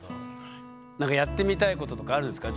何かやってみたいこととかあるんですか？